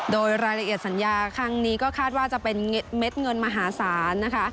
โดยรายละเอียดสัญญาครั้งนี้ก็คาดว่าจะเป็นเม็ดเงินมหาศาลนะคะ